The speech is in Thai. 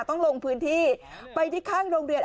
ต้องลงพื้นที่ไปที่ข้างโรงเรียน